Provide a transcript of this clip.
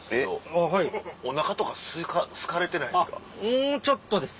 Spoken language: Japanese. もうちょっとです。